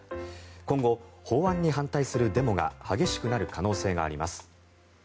今後、法案に反対するデモが激しくなる可能性があります。